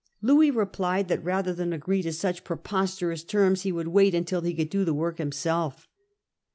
Louis replied that rather than agree to such preposterous terms he would wait until he could do the work himself.